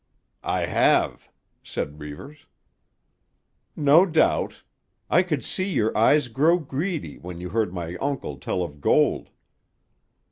"I have," said Reivers. "No doubt. I could see your eyes grow greedy when you heard my uncle tell of gold."